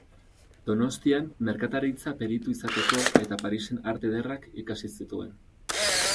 Donostian merkataritza-peritu izateko eta Parisen Arte Ederrak ikasi zituen.